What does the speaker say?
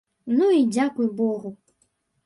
Ну і дзякуй богу!